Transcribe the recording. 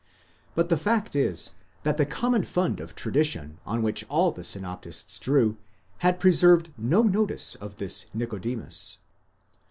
1 But the fact is that the common fund of tradition on which all the synoptists drew had preserved no notice of this Nicodemus.